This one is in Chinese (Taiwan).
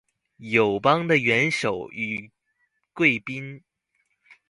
友邦的元首與貴賓